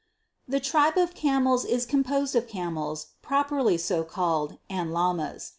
13. The, Tribe of Camels is composed of Camels propely so called, and Lamas.